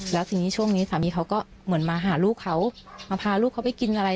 แล้วทีนี้ช่วงนี้สามีเขาก็เหมือนมาหาลูกเขามาพาลูกเขาไปกินอะไร